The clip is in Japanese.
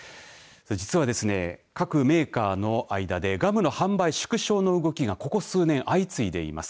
実はですね、各メーカーの間でガムの販売縮小の動きがここ数年、相次いでいます。